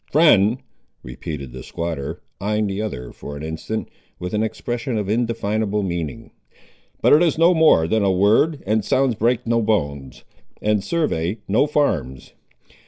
"Friend!" repeated the squatter, eyeing the other for an instant, with an expression of indefinable meaning. "But it is no more than a word, and sounds break no bones, and survey no farms.